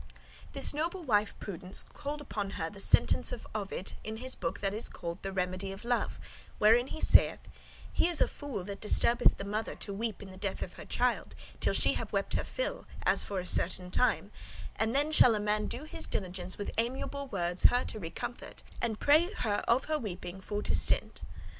This noble wife Prudence remembered her upon the sentence of Ovid, in his book that called is the "Remedy of Love," <2> where he saith: He is a fool that disturbeth the mother to weep in the death of her child, till she have wept her fill, as for a certain time; and then shall a man do his diligence with amiable words her to recomfort and pray her of her weeping for to stint [cease].